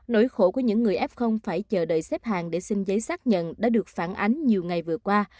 nỗi khổ của những người f phải chờ đợi xếp hàng để xin giấy xác nhận đã được phản ánh nhiều ngày vừa qua